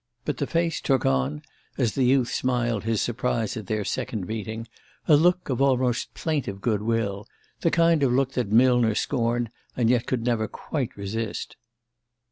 But the face took on, as the youth smiled his surprise at their second meeting, a look of almost plaintive good will: the kind of look that Millner scorned and yet could never quite resist.